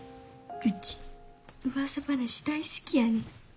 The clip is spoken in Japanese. ウチうわさ話大好きやねん。